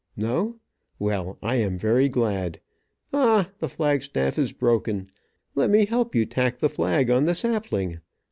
No; well, I am very glad. Ah, the flag staff is broken! Let me help you tack the flag on the sapling.